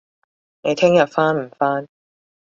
你聽日返唔返